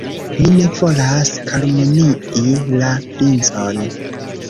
Mi ne volas kalumnii la princon.